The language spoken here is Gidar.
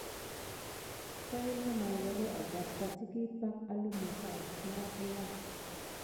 Pay na magoro agamka diki pay holumi kivela.